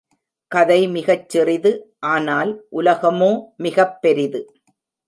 கதை மிகச் சிறிது, ஆனால் உலகமோ மிகப் பெரிது.